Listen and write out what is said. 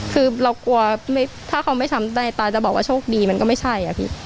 คือเรากลัวถ้าเขาไม่ช้ำได้ตาจะบอกว่าโชคดีมันก็ไม่ใช่อะพี่